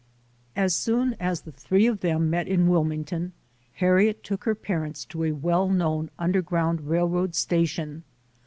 As soon as the three of them met in Wilming ton, Harriet took her parents to a well known un derground railroad station.